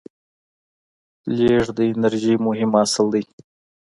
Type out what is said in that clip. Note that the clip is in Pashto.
لیږد د انرژۍ مهم اصل دی.